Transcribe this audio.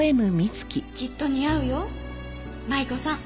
きっと似合うよ舞子さん。